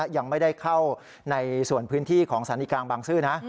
ยังไม่ได้เข้าในส่วนพื้นที่ของสถานีกลางบางซื่อนะ